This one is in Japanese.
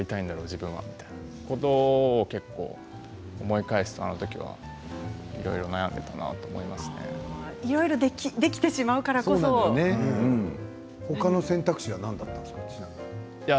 自分はということを結構思い返すとあの時はいろいろ悩んでいたなといわゆるできてしまうから他の選択肢は何だったんですか、ちなみに。